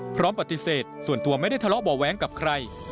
พร้อมปฏิเสธส่วนตัวไม่ได้ทะเลาะเบาะแว้งกับใคร